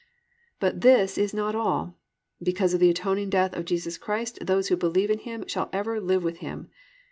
6. But this is not all. _Because of the atoning death of Jesus Christ those who believe in Him shall ever live with Him.